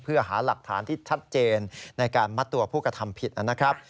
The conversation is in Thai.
เพื่อหาหลักฐานที่ชัดเจนในการมัดตัวผู้กระทำผิดนะครับ